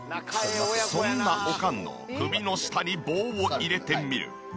そんなおかんの首の下に棒を入れてみる。